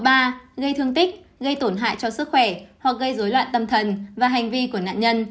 gây thương tích gây tổn hại cho sức khỏe hoặc gây dối loạn tâm thần và hành vi của nạn nhân